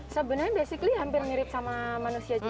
sebenarnya basically hampir mirip sama manusia juga